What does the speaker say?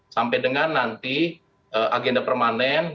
sampai dengan nanti agenda permanen